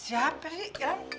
siapa sih yang